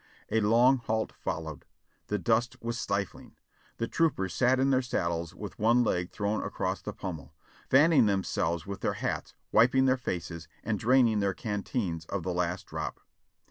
A long halt followed. The dust was stifling. The troopers sat in their saddles with one leg thrown across the pommel, fanning themselves with their hats, wiping their faces, and draining their canteens of the last drop.